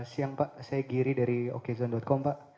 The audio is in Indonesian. siang pak saya giri dari okezon com pak